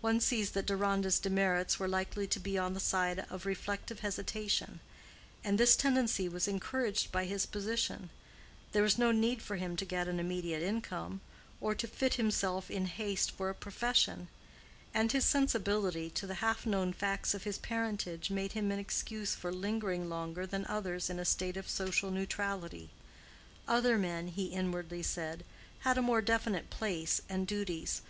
One sees that Deronda's demerits were likely to be on the side of reflective hesitation, and this tendency was encouraged by his position; there was no need for him to get an immediate income, or to fit himself in haste for a profession; and his sensibility to the half known facts of his parentage made him an excuse for lingering longer than others in a state of social neutrality. Other men, he inwardly said, had a more definite place and duties.